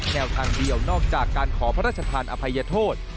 แนวทางเดียวนอกจากการขอพระราชทานอภัยโทษ